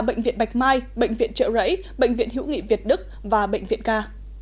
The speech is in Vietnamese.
bệnh viện bạch mai bệnh viện trợ rẫy bệnh viện hữu nghị việt đức và bệnh viện ca